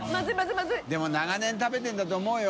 任長年食べてるんだと思うよ。